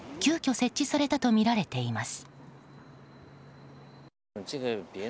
設置されたとみられています。